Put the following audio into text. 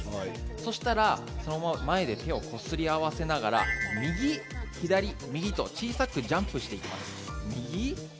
そしたら、そのまま前で手をこすり合わせながら右、左、右と小さくジャンプしていきます。